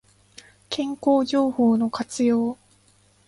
健康情報の活用